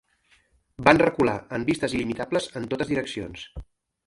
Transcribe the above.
Van recular en vistes il·limitables en totes direccions.